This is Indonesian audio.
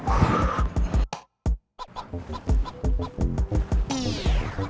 gak ada apa apa